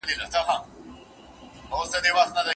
اوس دېوالونه هم غوږونه لري.